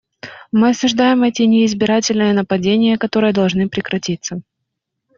Мы осуждаем эти неизбирательные нападения, которые должны прекратиться.